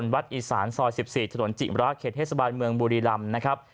วัดอีสานซอย๑๔ถนนจิมระเขตเทศบาลเมืองบุรีรำนะครับ